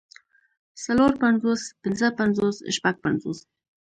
څلور پنځوس پنځۀ پنځوس شپږ پنځوس